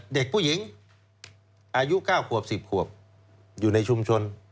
เด็กผู้หญิงอายุ๙ขวบ๑๐ขวบอยู่ในชุมชน